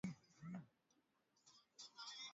Mama huenda mombasa